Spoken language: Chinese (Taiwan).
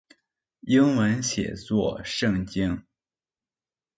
英文寫作聖經